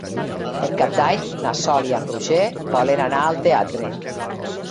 Per Cap d'Any na Sol i en Roger volen anar al teatre.